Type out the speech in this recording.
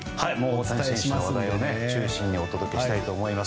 大谷選手中心にお届けしたいと思います。